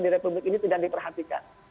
di republik ini tidak diperhatikan